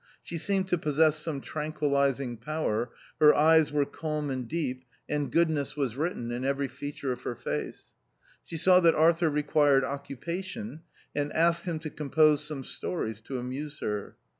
She seemed to possess some tranquillising power ; her eyes were calm and deep, and goodness was THE OUTCAST. g written in every feature of her face. She saw that Arthur required occupation, and asked him to compose some stories to amuse her.